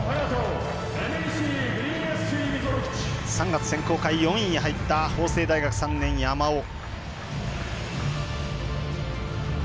３月、選考会４位に入った法政大学３年、山尾。